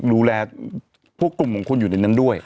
ดูแลพวกกลุ่มของคุณอยู่ในนั้นด้วย